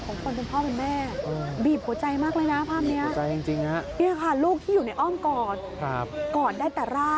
คุณค่ะลูกที่อยู่ในอ้อมกอดค่าบ้านหลกอดได้แต่ร่างลมหายใจไม่มีแล้วอ้อ